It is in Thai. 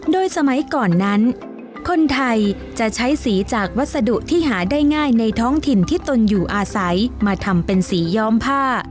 โดยสมัยก่อนนั้นคนไทยจะใช้สีจากวัสดุที่หาได้ง่ายในท้องถิ่นที่ตนอยู่อาศัยมาทำเป็นสีย้อมผ้า